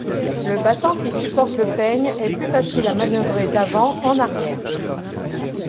Le battant qui supporte le peigne est plus facile à manœuvrer d’avant en arrière.